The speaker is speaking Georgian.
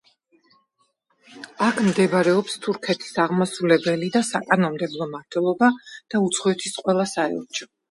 აქ მდებარეობს თურქეთის აღმასრულებელი და საკანონმდებლო მმართველობა და უცხოეთის ყველა საელჩო.